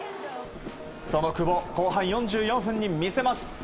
その久保、後半４４分に見せます。